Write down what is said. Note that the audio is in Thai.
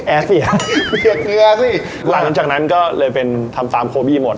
เสียเกลือสิหลังจากนั้นก็เลยเป็นทำตามโคบี้หมด